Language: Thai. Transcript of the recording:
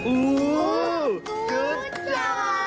อู้วจุ๊บจ้า